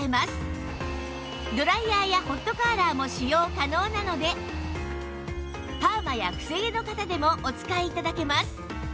ドライヤーやホットカーラーも使用可能なのでパーマやくせ毛の方でもお使い頂けます